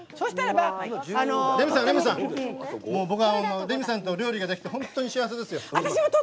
レミさん、もう僕はレミさんと料理ができて本当に幸せですよ。